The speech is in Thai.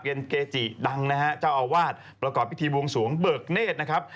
เกจิดังนะฮะเจ้าอาวาสประกอบพิธีบวงสวงเบิกเนธนะครับ